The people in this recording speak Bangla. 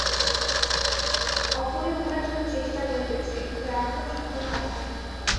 অপরে উহার জন্য চেষ্টা করিতেছে, কিন্ত এখনও সফল হয় নাই।